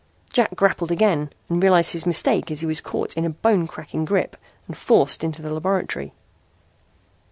Jack grappled again and realized his mistake as he was caught in a bone cracking grip and forced into the laboratory.